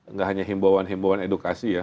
nggak hanya himbauan himbauan edukasi ya